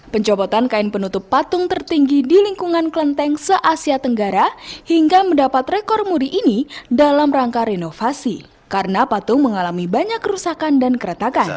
pencopotan kain penutup patung tertinggi di lingkungan kelenteng se asia tenggara hingga mendapat rekor muri ini dalam rangka renovasi karena patung mengalami banyak kerusakan dan keretakan